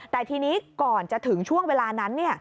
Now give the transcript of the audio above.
แต่ทีนี้ก่อนจะถึงช่วงเวลานั้น